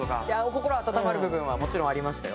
心温まる部分はもちろんありましたよ。